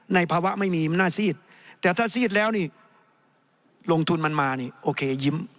ในภาวะไม่มีมันน่าซีดแต่ถ้าซีดแล้วนี่ลงทุนมันมานี่โอเคยิ้ม